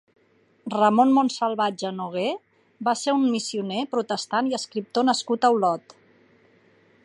Ramon Monsalvatge Nogué va ser un missioner protestant i escriptor nascut a Olot.